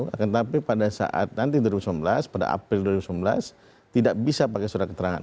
akan tetapi pada saat nanti dua ribu sembilan belas pada april dua ribu sembilan belas tidak bisa pakai surat keterangan